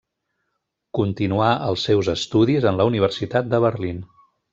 Continuà els seus estudis en la Universitat de Berlín.